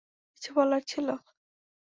কিছু বলার ছিলো?